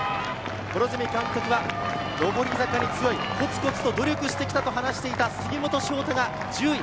両角監督は上り坂に強い、コツコツと努力してきたと話した杉本将太が１０位。